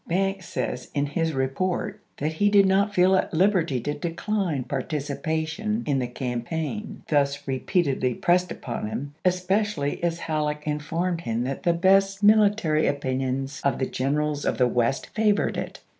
Banks says in his report that he did not feel at liberty to decline participation in the campaign thus re peatedly pressed upon him, especially as Halleck informed him that the best military opinions of the generals of the West favored it.